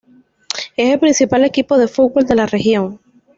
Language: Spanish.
Es el principal equipo de fútbol de la región.